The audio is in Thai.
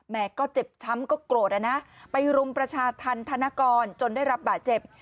ก็เจ็บช้ำก็โกรธนะไปรุมประชาธรรมธนกรจนได้รับบาดเจ็บ